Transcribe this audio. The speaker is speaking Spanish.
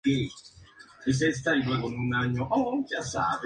A su llegada a Inglaterra cayó enfermo de nuevo.